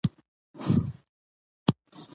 د لویو لارو جوړول د سوداګرۍ په چټکتیا کې مرسته کوي.